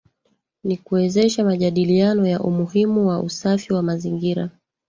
Ni kuwezesha majadiliano ya umuhimu wa usafi wa mazingira